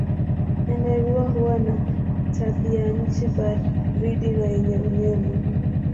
Nyandarua huwa na tabianchi baridi na yenye unyevu.